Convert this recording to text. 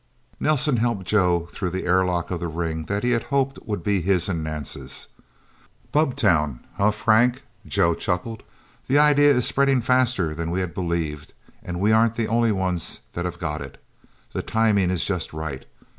Nelsen helped Joe through the airlock of the ring that he had hoped would be his and Nance's. "Bubbtown, huh, Frank?" Joe chuckled. "The idea is spreading faster than we had believed, and we aren't the only ones that have got it. The timing is just right.